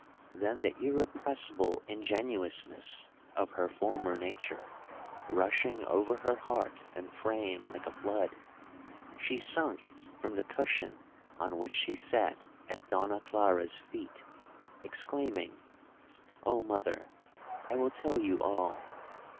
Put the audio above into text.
Then the irrepressible ingenuousness of her former nature, rushing over her heart and frame like a flood, she sunk from the cushion on which she sat at Donna Clara's feet, exclaiming, 'Oh, mother, I will tell you all!'